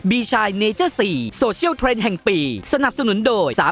ชายเนเจอร์๔โซเชียลเทรนด์แห่งปีสนับสนุนโดย๓๐